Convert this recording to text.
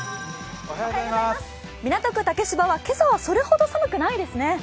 港区竹芝は今朝はさほど寒くないですね。